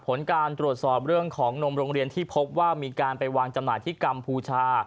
ผลการตรวจสอบเรื่องของนมโรงเรียนที่พบว่ามีการไปวางจำหน่ายที่กัมพูชา